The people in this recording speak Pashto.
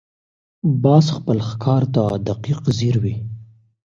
باز خپل ښکار ته دقیق ځیر وي